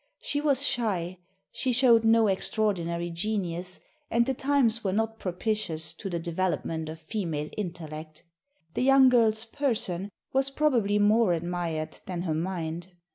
She was shy; she showed no extraordinary genius, and the times were not propitious to the development of female intellect. The young girl's person was probably more admired than her mind.